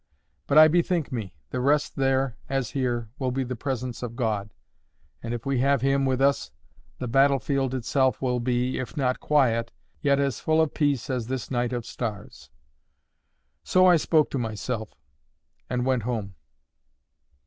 But I bethink me, the rest there, as here, will be the presence of God; and if we have Him with us, the battle field itself will be—if not quiet, yet as full of peace as this night of stars." So I spoke to myself, and went home.